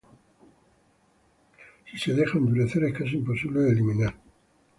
Si se deja endurecer es casi imposible de eliminar.